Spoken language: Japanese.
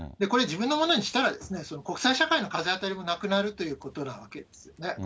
これ自分のものにしたら、国際社会の風当たりもなくなるということなわけですね。